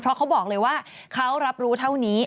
เพราะเขาบอกเลยว่าเขารับรู้เท่านี้